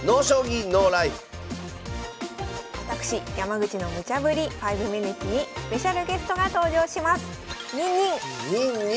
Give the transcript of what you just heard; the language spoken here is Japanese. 私山口のムチャぶり「５ｍｉｎｕｔｅｓ」にスペシャルゲストが登場します。